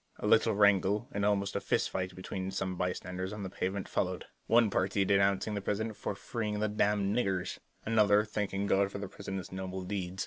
A little wrangle and almost a fist fight between some bystanders on the pavement followed; one party denouncing the President for freeing the "damned niggers"; another thanking God for the President's noble deed.